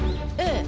ええ。